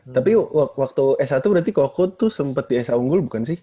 tapi waktu s satu berarti koko tuh sempat di sh unggul bukan sih